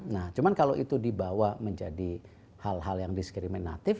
nah cuma kalau itu dibawa menjadi hal hal yang diskriminatif